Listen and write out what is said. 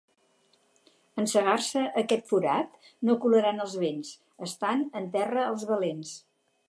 En cegar-se aquest forat, no colaran els vents: estan en terra els valents.